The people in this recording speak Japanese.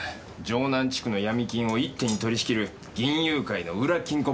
城南地区の闇金を一手に取り仕切る銀雄会の裏金庫番。